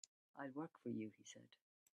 "I'll work for you," he said.